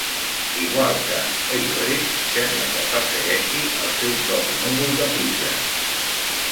Igual que Eeyore, sembla que el persegueixi el seu propi núvol de pluja.